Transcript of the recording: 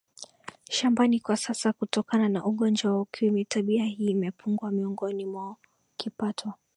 shambani Kwa sasa kutokana na ugonjwa wa ukimwi tabia hii imepungua miongoni mwaoKipato